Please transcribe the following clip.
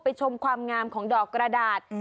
ชมความงามของดอกกระดาษ